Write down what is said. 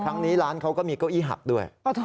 ครั้งนี้ร้านเขาก็มีเก้าอี้หักด้วย